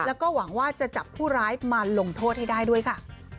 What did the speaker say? แล้วก็หวังว่าจะจับผู้ร้ายมาลงโทษให้ได้ด้วยค่ะ